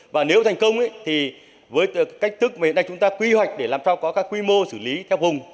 và nếu thành công thì với cách thức mà hiện nay chúng ta quy hoạch để làm sao có các quy mô xử lý theo vùng